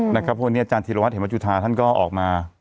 เพราะฉะนั้นอาจารย์ธีรวรรษเห็นวจุธาท่านก็ออกมา